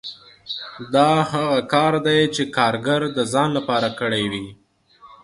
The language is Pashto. دا هغه کار دی چې کارګر د ځان لپاره کړی وي